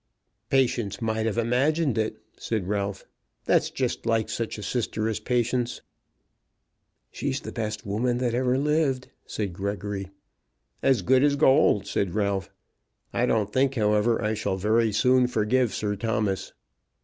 "Patience might have imagined it," said Ralph. "That's just like such a sister as Patience." "She's the best woman that ever lived," said Gregory. "As good as gold," said Ralph. "I don't think, however, I shall very soon forgive Sir Thomas."